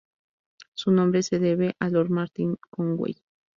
Su nombre se debe a Lord Martin Conway.